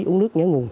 uống nước nhớ nguồn